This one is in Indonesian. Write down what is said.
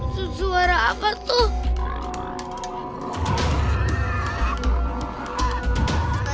suara apa tuh